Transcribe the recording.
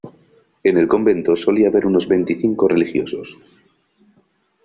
En el convento solía haber unos veinticinco religiosos.